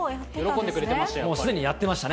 すでにやってましたね。